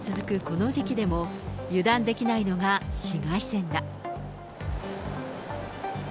この時期でも、油断できないのが紫外線だ。